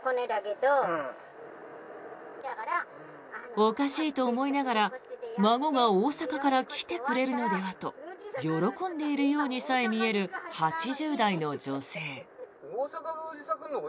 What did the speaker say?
おかしいと思いながら孫が大阪から来てくれるのではと喜んでいるようにさえ見える８０代の女性。